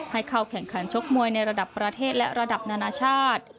ให้เข้าแข่งขันชกมวยในระดับประเทศและระดับนานาชาติ